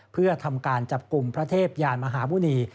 เพื่อทำการจับกลุ่มพระเทพยานมหาหมุณี